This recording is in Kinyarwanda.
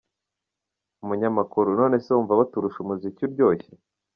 Umunyamakuru: None se wumva baturusha umuziki uryoshye?.